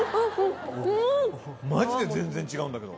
マジで全然違うんだけど。